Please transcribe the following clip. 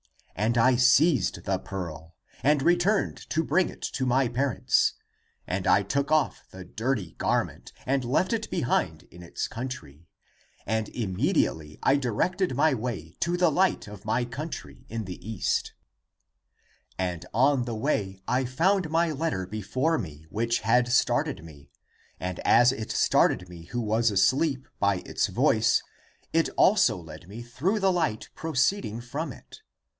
> And I seized the pearl And returned to bring it to my parents. And I took off the dirty garment And left it behind in its country. And immediately I directed my way To the light of my country in the East. !■* Syriac : Sarbug. ACTS OF THOMAS 317 And on the way I found my letter <before me,> Which had started me. And as it started me who was asleep, by its voice It also led me through the light proceeding from it.